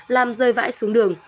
làm rơi vãi xuống đường